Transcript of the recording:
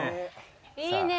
いいね